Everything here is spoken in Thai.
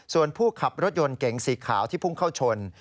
ส่วนผู้ขับรถยนต์เก๋งสีขาวที่พุ่งเข้าชน